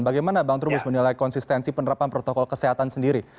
bagaimana bang trubus menilai konsistensi penerapan protokol kesehatan sendiri